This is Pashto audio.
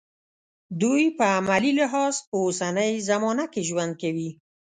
دوی په عملي لحاظ په اوسنۍ زمانه کې ژوند کوي.